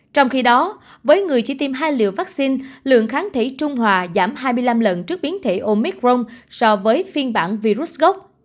trong khi đó với người chỉ tiêm hai liều vaccine lượng kháng thể trung hòa giảm hai mươi năm lần trước biến thể omic rong so với phiên bản virus gốc